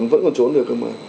vẫn còn trốn được không ạ